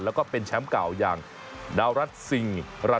แล้วก็เป็นแชมป์เก่าอย่างดาวรัฐซิงรัฐ